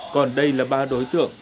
còn đây là ba đối tượng